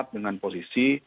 empat dengan posisi